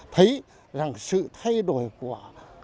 thấy rằng sự thay đổi của